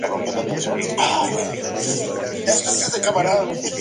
La Chapelle-Saint-Étienne